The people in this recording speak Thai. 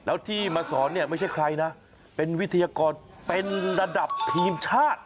แล้วที่มาสอนเนี่ยไม่ใช่ใครนะเป็นวิทยากรเป็นระดับทีมชาติ